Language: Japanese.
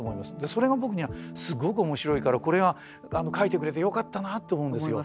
それが僕にはすごく面白いからこれはかいてくれてよかったなと思うんですよ。